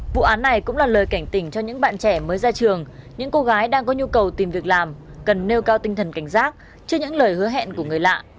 vụ án này cũng là lời cảnh tỉnh cho những bạn trẻ mới ra trường những cô gái đang có nhu cầu tìm việc làm cần nêu cao tinh thần cảnh giác trước những lời hứa hẹn của người lạ